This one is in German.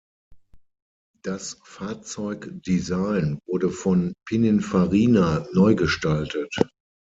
Das Fahrzeugdesign wurde von Pininfarina neugestaltet.